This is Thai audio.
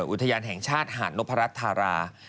อุทยานแห่งชาติหาดนพรัชธารา